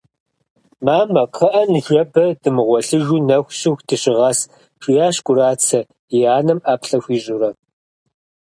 «Мамэ, кхъыӏэ, ныжэбэ дымыгъуэлъыжу, нэху щыху дыщыгъэс» жиӏащ Кӏурацэ и анэм ӏэплӏэ хуищӏурэ.